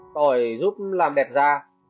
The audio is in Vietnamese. tỏi giúp làm đẹp da